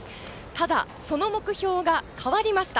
ただ、その目標が変わりました。